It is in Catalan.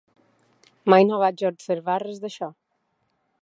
Mai no vaig observar res d'això.